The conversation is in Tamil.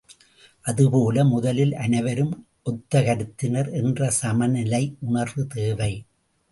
அதுபோல முதலில் அனைவரும் ஒத்த கருத்தினர் என்ற சமநிலை உணர்வு தேவை.